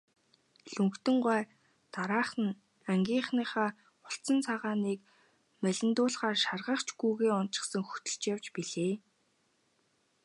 Лхүндэв гуай дараахан нь ангийнхаа улцан цагааныг малиндуулахаар шаргач гүүгээ уначихсан хөтөлж явж билээ.